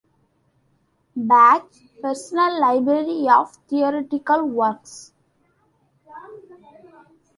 Bach's personal library of theoretical works.